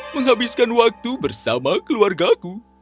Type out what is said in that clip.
menghabiskan waktu bersama keluargaku